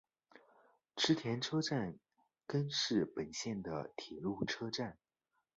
池田车站根室本线的铁路车站。